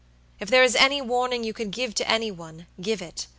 If there is any warning you would give to any one, give it.